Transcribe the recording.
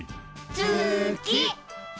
つき！